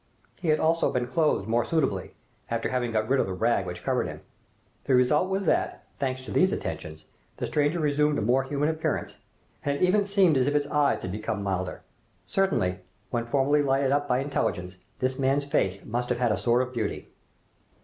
He had also been clothed more suitably, after having got rid of the rag which covered him. The result was that, thanks to these attentions, the stranger resumed a more human appearance, and it even seemed as if his eyes had become milder. Certainly, when formerly lighted up by intelligence, this man's face must have had a sort of beauty.